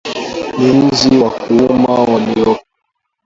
na nzi wa kuuma waliopo